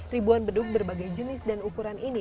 ribuan beduk berbagai jenis dan ukuran ini